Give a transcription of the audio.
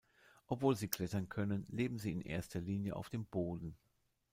Obwohl sie klettern können, leben sie in erster Linie auf dem Boden.